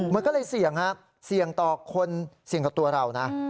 มันก็เลยเสี่ยงฮะเสี่ยงต่อคนเสี่ยงต่อตัวเรานะ